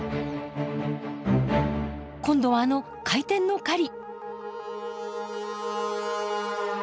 今度はあの「回転の狩り」！